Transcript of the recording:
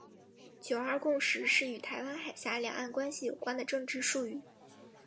九二共识是与台湾海峡两岸关系有关的政治术语。